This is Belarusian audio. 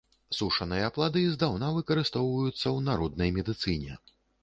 Сушаныя плады здаўна выкарыстоўваюцца ў народнай медыцыне.